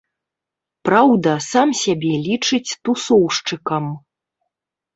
Праўда, сам сябе лічыць тусоўшчыкам.